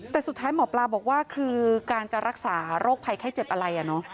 แต่สุดท้ายหมอปลาบอกว่าคือการจะรักษาโรคภัยไข้เจ็บอะไร